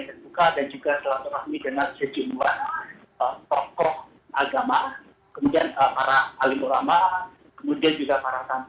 terbuka dan juga selalu terakhir dengan sejumlah tokoh agama kemudian para alimulama kemudian juga